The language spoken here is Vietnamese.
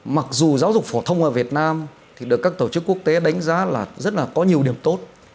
mặc dù giáo dục phổ thông ở việt nam được các tổ chức quốc tế đánh giá là rất nhiều điểm tốt